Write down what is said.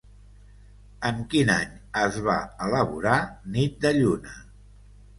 En quin any es va elaborar Nit de lluna?